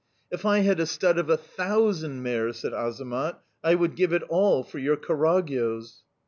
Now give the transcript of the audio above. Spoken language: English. "'If I had a stud of a thousand mares,' said Azamat, 'I would give it all for your Karagyoz!